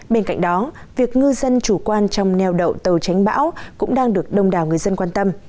bên cạnh đó việc ngư dân chủ quan trong neo đậu tàu tránh bão cũng đang được đông đảo người dân quan tâm